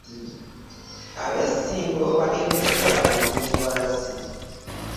Ab'e Ssingo bakedde kukola bulungibwansi.